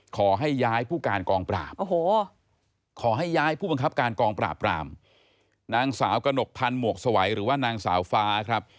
ขอให้ย้ายผู้การกองปราบขอให้ย้ายผู้บังคับการกองปราบรามนางสาวกระหนกพันธ์หมวกสวัยหรือว่านางสาวฟ้าครับ